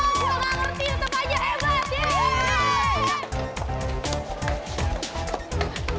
wah saya tak ngerti tetap aja hebat